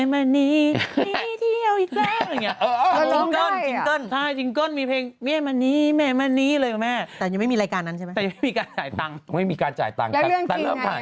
มีจ้างนี้ด้วยเขาไปจ้างทำเพลงนะ